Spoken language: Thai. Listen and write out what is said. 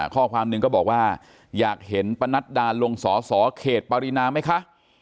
ข้อความหนึ่งก็บอกว่าอยากเห็นปนัดดาลงสอสอเขตปรินาไหมคะ